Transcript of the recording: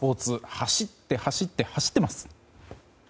走って、走って、走ってます！